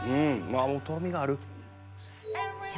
もうとろみがある。